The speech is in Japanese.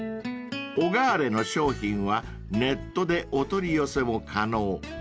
［ＯＧＡＲＥの商品はネットでお取り寄せも可能］